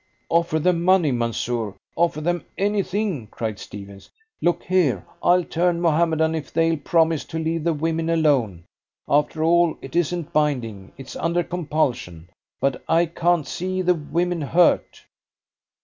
"Offer them money, Mansoor! Offer them anything!" cried Stephens. "Look here, I'll turn Mohammedan if they'll promise to leave the women alone. After all, it isn't binding it's under compulsion. But I can't see the women hurt."